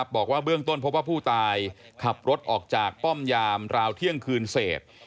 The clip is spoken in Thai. บอกว่าเบื้องต้นพบว่าผู้ตายขับรถออกจากป้อมยามราวเที่ยงคืนเศษ